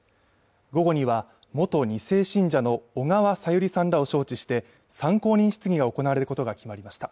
午後には元二世信者の小川さゆりさんらを招致して参考人質疑が行われることが決まりました